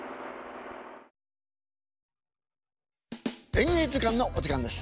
「演芸図鑑」のお時間です。